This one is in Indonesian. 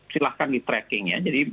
silahkan di tracking ya